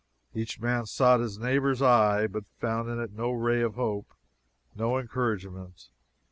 Each man sought his neighbor's eye, but found in it no ray of hope, no encouragement.